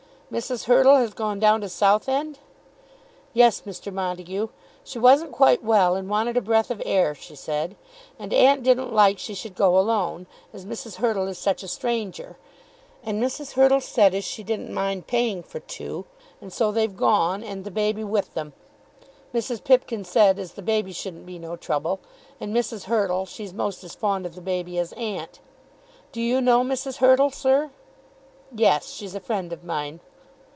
"Mrs. Hurtle has gone down to Southend?" "Yes, Mr. Montague; she wasn't quite well, and wanted a breath of air, she said. And aunt didn't like she should go alone, as Mrs. Hurtle is such a stranger. And Mrs. Hurtle said as she didn't mind paying for two, and so they've gone, and the baby with them. Mrs. Pipkin said as the baby shouldn't be no trouble. And Mrs. Hurtle, she's most as fond of the baby as aunt. Do you know Mrs. Hurtle, sir?" "Yes; she's a friend of mine."